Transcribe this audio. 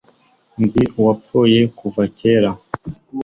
Nzi uwapfuye kuva kera.